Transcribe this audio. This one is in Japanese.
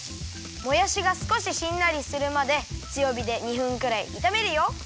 もやしがすこししんなりするまでつよびで２分くらいいためるよ。